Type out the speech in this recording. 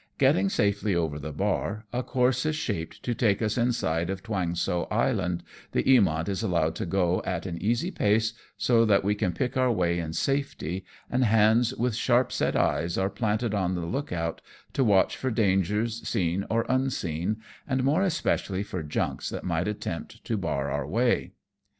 Gretting safely over the bar, a course is shaped to take us inside of Tuang So Island, the Tjamoni is allowed to go at an easy pace, so that we can pick our way in safety, and hands with sharp set eyes are planted on the look out, to watch for dangers seen or unseen, and more especially for junks that might attempt to bar our way.